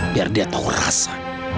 biar dia tau rasa